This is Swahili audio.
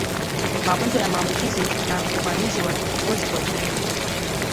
Magonjwa ya maambukizi na uvamizi wa ngozi kwa jumla